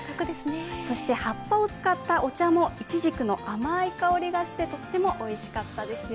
そして、葉っぱを使ったお茶もいちじくの甘い香りがしてとってもおいしかったですよ。